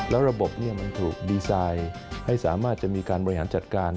แล้วระบบมันถูกดีไซน์ให้สามารถจะมีการบริหารจัดการ